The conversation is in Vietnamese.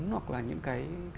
hoặc là những cái